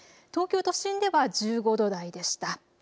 東京都心では１５度台でした。